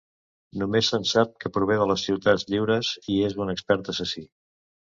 Només se'n sap que prové de les Ciutats Lliures i és un expert assassí.